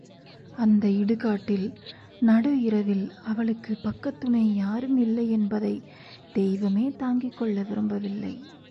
அந்த இடுகாட்டில் நடு இரவில் அவளுக்குப் பக்கத்துணை யாரும் இல்லை என்பதைத் தெய்வமே தாங்கிக் கொள்ள விரும்பவில்லை.